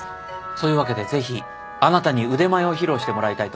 そういうわけでぜひあなたに腕前を披露してもらいたいと思って。